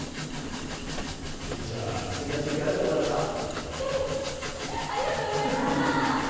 いいじゃない、すてきな中継ありがとうございました。